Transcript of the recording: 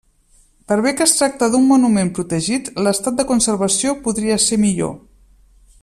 Per bé que es tracta d'un monument protegit, l'estat de conservació podria ser millor.